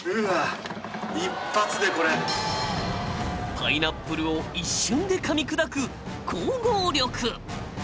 パイナップルを一瞬で噛み砕く咬合力。